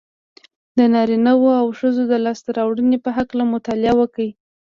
د نارينهوو او ښځو د لاسته راوړنو په هکله مطالعه وکړئ.